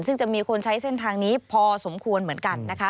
ซึ่งจะมีคนใช้เส้นทางนี้พอสมควรเหมือนกันนะคะ